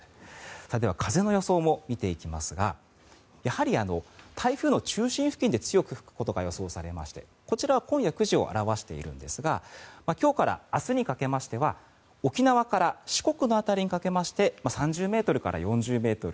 では、風の予想も見ていきますがやはり、台風の中心付近で強く吹くことが予想されましてこちらは今夜９時を表しているんですが今日から明日にかけましては沖縄から四国の辺りにかけまして３０ｍから４０ｍ。